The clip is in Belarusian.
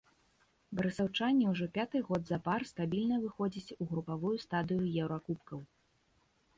Барысаўчане ўжо пяты год запар стабільна выходзяць у групавую стадыю еўракубкаў.